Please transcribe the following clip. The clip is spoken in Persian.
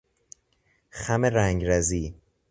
خم رنگرزی